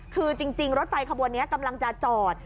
คือจริงรถไฟขบวนนี้กำลังจะจอด